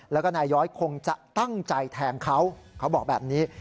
แล้วก็นายย้อยคงจะตั้งใจแทงเขาเขาบอกแบบนี้